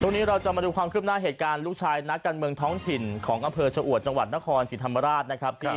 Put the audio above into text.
นี้เราจะมาดูความคืบหน้าเหตุการณ์ลูกชายนักการเมืองท้องถิ่นของอำเภอชะอวดจังหวัดนครศรีธรรมราชนะครับ